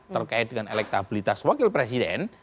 terkait dengan elektabilitas wakil presiden